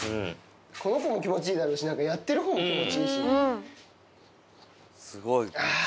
この子も気持ちいいだろうし、やってるほうも気持ちいいし。